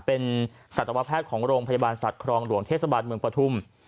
เป็นสัตวแพทย์ของโรงพยาบาลสัตว์ครองหลวงเทศบาลเมืองปฐุม